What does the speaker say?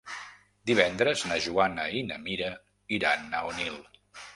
Divendres na Joana i na Mira iran a Onil.